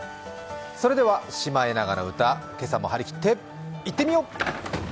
それでは「シマエナガの歌」、今朝も張りきっていってみよう。